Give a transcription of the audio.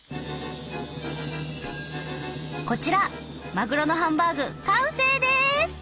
こちらまぐろのハンバーグ完成です！